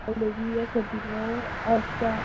Su hábitat natural son:lagos de agua dulce.